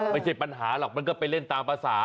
ไม่ใช่ปัญหาหรอกมันก็ไปเล่นตามภาษา